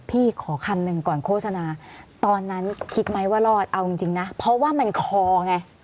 ขอคำหนึ่งก่อนโฆษณาตอนนั้นคิดไหมว่ารอดเอาจริงนะเพราะว่ามันคอไง